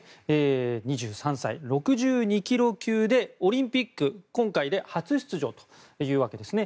２３歳、６２ｋｇ級でオリンピック、今回で初出場というわけですね。